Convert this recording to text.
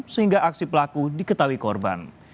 sehingga aksi pelaku diketahui korban